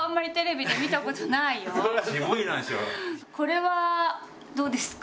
これはどうですか？